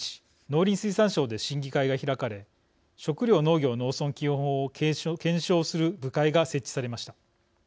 農林水産省で審議会が開かれ食料・農業・農村基本法を検証する部会が設置されました。